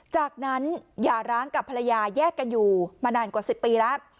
จากนั้นอย่าร้างกับภรรยาแยกกันอยู่มานานกว่า๑๐ปีแล้ว